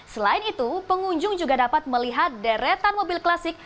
selain itu pengunjung juga dapat melihat deretan mobil klasik